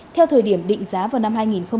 theo thời điểm định giá vào năm hai nghìn hai mươi